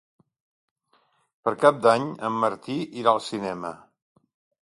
Per Cap d'Any en Martí irà al cinema.